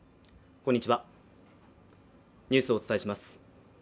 こんにちはニュースをお伝えします